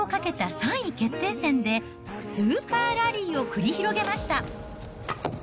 ３位決定戦でスーパーラリーを繰り広げました。